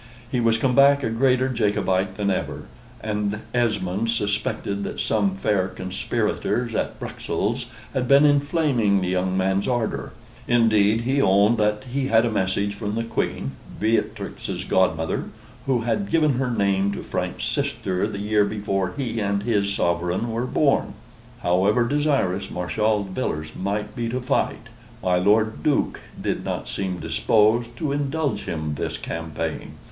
He was come back a greater Jacobite than ever, and Esmond suspected that some fair conspirators at Bruxelles had been inflaming the young man's ardor. Indeed, he owned that he had a message from the Queen, Beatrix's godmother, who had given her name to Frank's sister the year before he and his sovereign were born. However desirous Marshal Villars might be to fight, my Lord Duke did not seem disposed to indulge him this campaign.